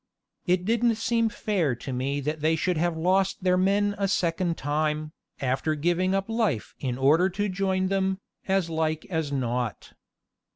It didn't seem fair to me that they should have lost their men a second time, after giving up life in order to join them, as like as not.